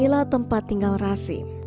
inilah tempat tinggal rasim